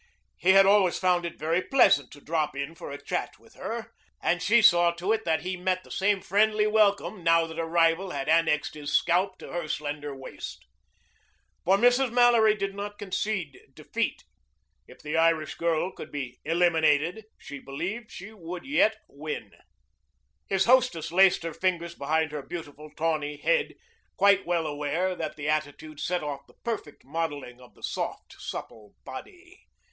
He had always found it very pleasant to drop in for a chat with her, and she saw to it that he met the same friendly welcome now that a rival had annexed his scalp to her slender waist. For Mrs. Mallory did not concede defeat. If the Irish girl could be eliminated, she believed she would yet win. His hostess laced her fingers behind her beautiful, tawny head, quite well aware that the attitude set off the perfect modeling of the soft, supple body.